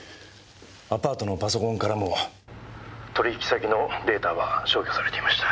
アパートのパソコンからも取引先のデータは消去されていました。